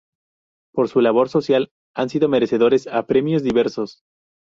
Por su labor social han sido merecedores a premios diversos.